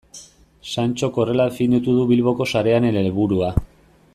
Santxok horrela definitu du Bilboko sarearen helburua.